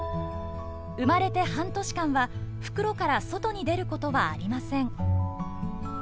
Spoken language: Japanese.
生まれて半年間は袋から外に出ることはありません。